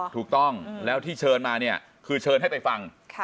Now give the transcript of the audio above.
ถูกต้องแล้วที่เชิญมาเนี่ยคือเชิญให้ไปฟัง